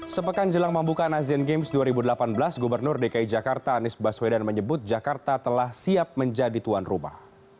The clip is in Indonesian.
sepekan jelang pembukaan asian games dua ribu delapan belas gubernur dki jakarta anies baswedan menyebut jakarta telah siap menjadi tuan rumah